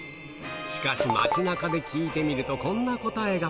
しかし、街なかで聞いてみると、こんな答えが。